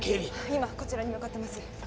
今こちらに向かってます